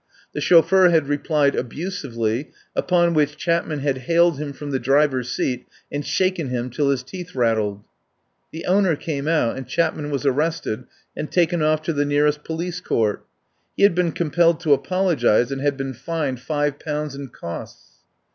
The chauffeur had replied abusively, upon which Chapman had haled him from the driver's seat and shaken him till his teeth rattled. The owner came out, and Chapman was arrested and taken off to the nearest police court. He had been compelled to apologise and had been fined five pounds and costs.